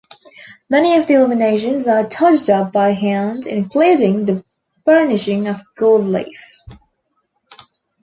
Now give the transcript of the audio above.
Many of the illuminations are touched-up by hand, including the burnishing of gold leaf.